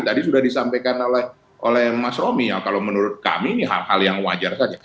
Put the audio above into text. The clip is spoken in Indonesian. tadi sudah disampaikan oleh mas romi ya kalau menurut kami ini hal hal yang wajar saja